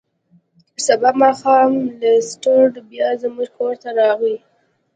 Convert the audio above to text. سبا ماښام لیسټرډ بیا زموږ کور ته راغی.